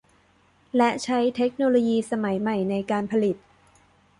และใช้เทคโนโลยีสมัยใหม่ในการผลิต